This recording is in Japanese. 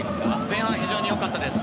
前半は非常に良かったです。